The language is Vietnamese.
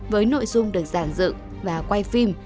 với nội dung được giản dựng và quay phim